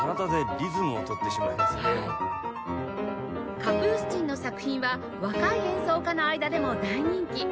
カプースチンの作品は若い演奏家の間でも大人気